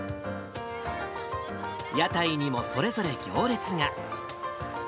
屋台にもそれぞれ行列が。